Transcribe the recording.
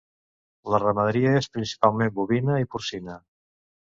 La ramaderia és principalment bovina i porcina.